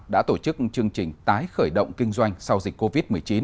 đã tổ chức chương trình tái khởi động kinh doanh sau dịch covid một mươi chín